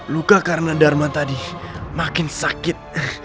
luka karena dharma tadi makin sakit